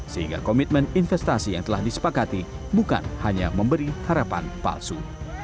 sehingga komitmen investasi yang telah disepakati bukan hanya memberi harapan palsu